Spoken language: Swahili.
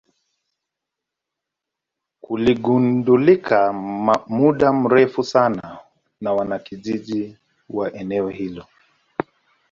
kiligundulika muda mrefu sana na wanakijiji wa eneo hilo